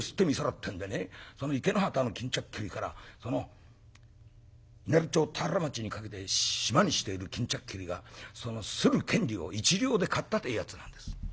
ってんでね池之端の巾着切りから稲荷町田原町にかけてシマにしている巾着切りがする権利を１両で買ったというやつなんです」。